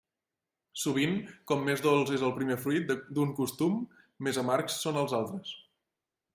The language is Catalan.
Sovint com més dolç és el primer fruit d'un costum més amargs són els altres.